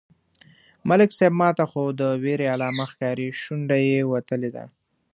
_ملک صيب! ماته خو د وېرې علامه ښکاري، شونډه يې وتلې ده.